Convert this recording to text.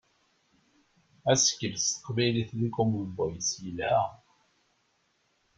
Asekles s teqbaylit di Common Voice yelha.